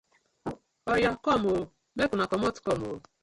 Oya ooo!! Mek una komot kom oo!